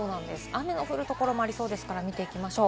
雨の降るところもありそうですから見ていきましょう。